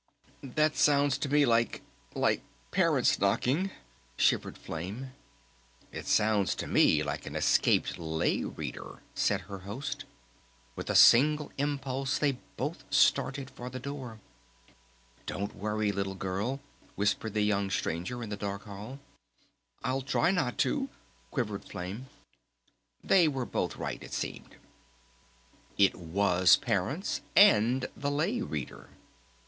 "That sounds to me like like parents' knocking," shivered Flame. "It sounds to me like an escaped Lay Reader," said her Host. With a single impulse they both started for the door. "Don't worry, Little Girl," whispered the young Stranger in the dark hall. "I'll try not to," quivered Flame. They were both right, it seemed. It was Parents and the Lay Reader.